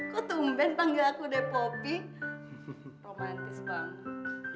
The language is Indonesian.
kok tumben panggil aku depopi romantis banget